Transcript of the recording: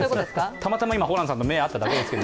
たまたまホランさんと目が合っただけです。